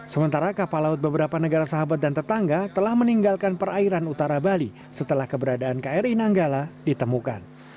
sementara kapal laut beberapa negara sahabat dan tetangga telah meninggalkan perairan utara bali setelah keberadaan kri nanggala ditemukan